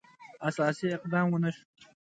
اساسي اقدام ونه شو.